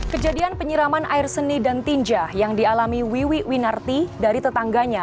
kejadian penyiraman air seni dan tinja yang dialami wiwi winarti dari tetangganya